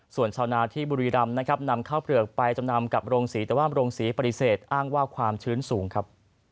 ส่วนชาวนาที่บุรีรำนะครับนำข้าวเปลือกไปจำนำกับโรงศรีแต่ว่าโรงศรีปฏิเสธอ้างว่าความชื้นสูงครับ